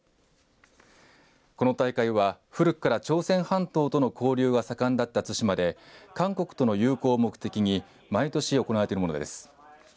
この大会は古くから朝鮮半島との交流が盛んだった対馬で韓国との友好を目的に毎年行われているものです。